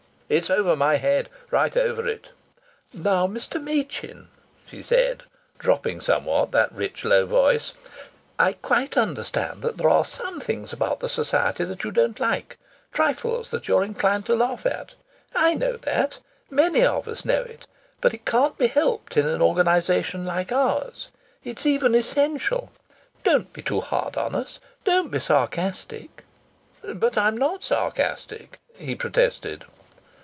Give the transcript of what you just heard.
"It's over my head right over it!" "Now, Mr. Machin," she said, dropping somewhat that rich low voice, "I quite understand that there are some things about the Society you don't like, trifles that you're inclined to laugh at. I know that. Many of us know it. But it can't be helped in an organization like ours. It's even essential. Don't be too hard on us. Don't be sarcastic." "But I'm not sarcastic!" he protested.